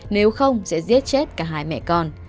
nếu không sẽ giết chết cả hai mẹ con